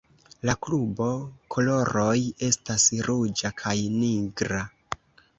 La klubo koloroj estas ruĝa kaj nigra.